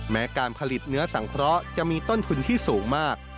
แม้การผลิตเนื้อสังเคราะห์จะมีต้นทุนที่สูงมาก